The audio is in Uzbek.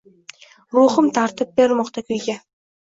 Ruhim tartib bermoqda kuyga.